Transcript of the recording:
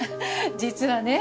実はね